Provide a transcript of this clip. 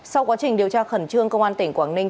sau quá trình điều tra khẩn trương công an tỉnh quảng ninh